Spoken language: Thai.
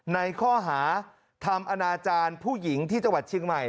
ในข้อหาทำอนาจารย์ผู้หญิงที่จังหวัดเชียงใหม่